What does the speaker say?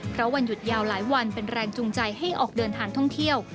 เพราะวันหยุดยาวหลายวันเป็นแรงจูงใจให้ออกเดินทางท่องเที่ยว